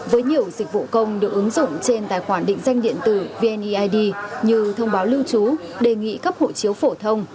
với nhiều dịch vụ công được ứng dụng trên tài khoản định danh điện tử vneid như thông báo lưu trú đề nghị cấp hộ chiếu phổ thông